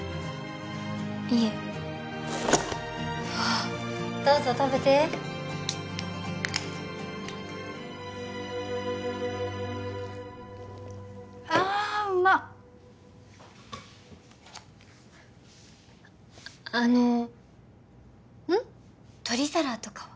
いえわあどうぞ食べてあっうまっあのうん？取り皿とかは？